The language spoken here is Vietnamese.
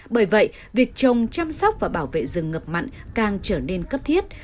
bởi vậy việc trồng chăm sóc và bảo vệ rừng ngập mặn càng trở nên cấp thiết